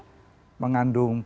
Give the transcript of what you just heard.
dan juga mengandung penghukuman